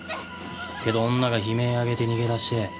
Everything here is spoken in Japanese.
けど女が悲鳴上げて逃げ出して。